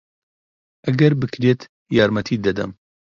ئەگەر بکرێت یارمەتیت دەدەم.